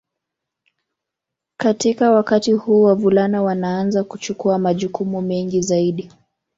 Katika wakati huu wavulana wanaanza kuchukua majukumu mengi zaidi